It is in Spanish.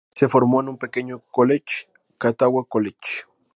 Se formó en un pequeño College, Catawba College.